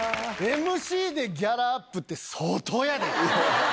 ＭＣでギャラアップって、相当やで。